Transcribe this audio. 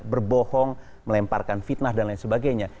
berbohong melemparkan fitnah dan lain sebagainya